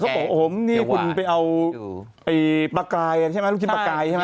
บอกโอ้โหนี่คุณไปเอาปลากลายกันใช่ไหมลูกชิ้นปลากายใช่ไหม